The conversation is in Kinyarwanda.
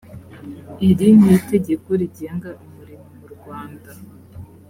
iri ni itegeko rigenga umurimo mu rwanda